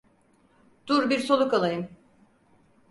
Dur bir soluk alayım!